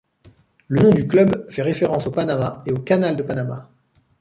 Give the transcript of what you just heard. Le nom du club fait référence au Panama et au canal de Panama.